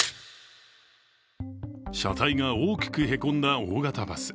車体が大きくへこんだ大型バス。